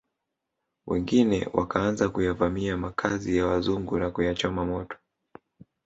Wengine wakaanza kuyavamia makazi ya wazungu na kuyachoma moto